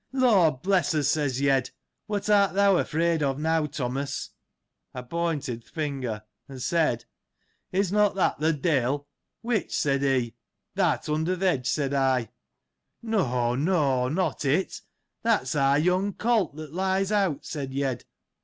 Lord bless us ! says Yed, what art thou afraid of now, Thomas ? I pointed th' finger, and said, Is not that the De'il? Which? said he. That under th' hedge, said I. No, no: Not it. That's our young colt, that lies out, said Yed.